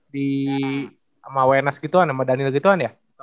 di sama wenas gitu kan sama daniel gitu kan ya